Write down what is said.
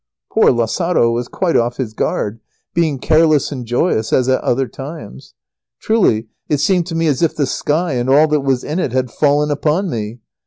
Poor Lazaro was quite off his guard, being careless and joyous as at other times. Truly it seemed to me as if the sky and all that was in it had fallen upon me.